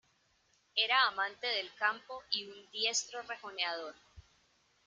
Era amante del campo y un diestro rejoneador.